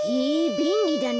べんりだな。